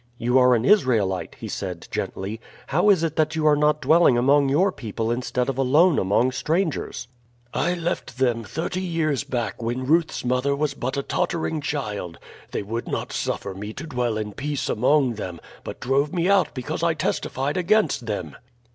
"You are an Israelite," he said gently. "How is it that you are not dwelling among your people instead of alone among strangers?" "I left them thirty years back when Ruth's mother was but a tottering child. They would not suffer me to dwell in peace among them, but drove me out because I testified against them."